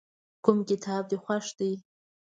کوم کتاب دې خوښ دی.